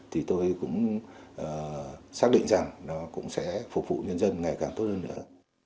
thì tôi cũng xác định rằng nó cũng sẽ phục vụ nhân dân ngày càng tốt hơn nữa